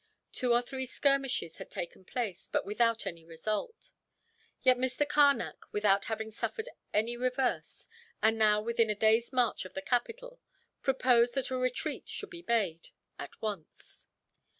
Two or three skirmishes had taken place, but without any result; yet Mr. Carnac, without having suffered any reverse, and now within a day's march of the capital, proposed that a retreat should be made, at once.